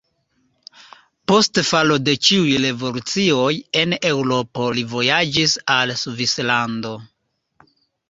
Post falo de ĉiuj revolucioj en Eŭropo li vojaĝis al Svislando.